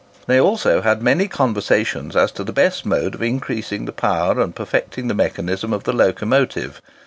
They had also many conversations as to the best mode of increasing the powers and perfecting the mechanism of the locomotive.